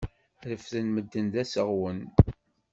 Refden-t medden d aseɣwen.